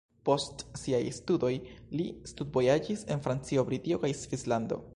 Post siaj studoj li studvojaĝis en Francio, Britio kaj Svislando.